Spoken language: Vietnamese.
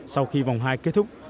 sau khi vòng hai kết thúc